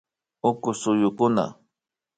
Uku suyukuna